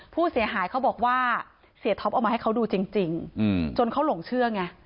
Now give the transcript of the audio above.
ผู้เสียหายเขาบอกว่าเสียท็อปเอามาให้เขาดูจริงจนเขาหลงเชื่อไง